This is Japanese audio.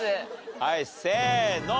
はいせーの。